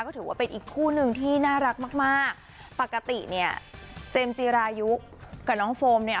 ก็ถือว่าเป็นอีกคู่นึงที่น่ารักมากมากปกติเนี่ยเจมส์จีรายุกับน้องโฟมเนี่ย